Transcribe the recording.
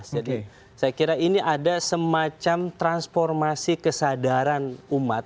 jadi saya kira ini ada semacam transformasi kesadaran umat